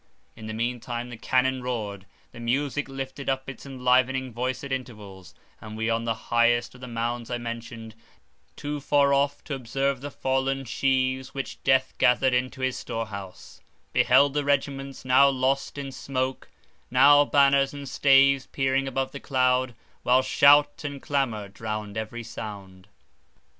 In the mean time the cannon roared; the music lifted up its enlivening voice at intervals; and we on the highest of the mounds I mentioned, too far off to observe the fallen sheaves which death gathered into his storehouse, beheld the regiments, now lost in smoke, now banners and staves peering above the cloud, while shout and clamour drowned every sound.